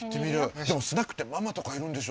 でもスナックってママとかいるんでしょ。